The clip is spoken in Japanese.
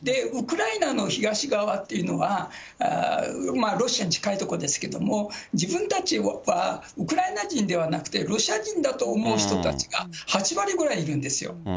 ウクライナの東側っていうのは、ロシアに近い所ですけれども、自分たちはウクライナ人ではなくてロシア人だと思う人たちが８割ぐらいいるんですよ。